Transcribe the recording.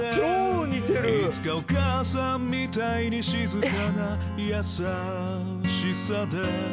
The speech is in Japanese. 「いつかお母さんみたいに静かな優しさで」